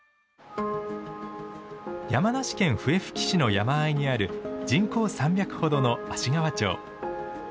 山梨県笛吹市の山あいにある人口３００ほどの芦川町。